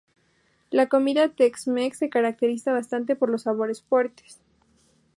La comida Tex-Mex se caracteriza bastante por los sabores fuertes.